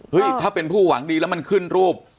ถ้าเป็นผู้หวังดีแล้วมันขึ้นรูป